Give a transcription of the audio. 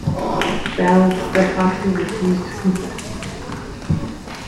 Belle steadfastly refused to confess.